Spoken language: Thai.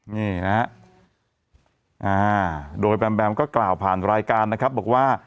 นี่นะฮะโดยแบมแบมก็กล่าวผ่านรายการนะครับบอกว่า